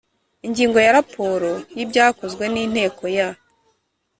Ingingo ya Raporo y ibyakozwe n Inteko ya